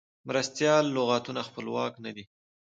مرستیال لغتونه خپلواک نه دي.